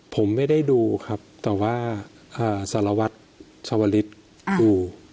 ผมไม่ได้ดูครับแต่ว่าสารวัตรชาวลิศดู